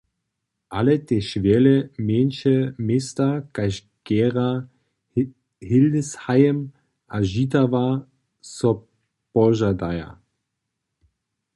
Ale tež wjele mjeńše města kaž Gera, Hildesheim a Žitawa so požadaja.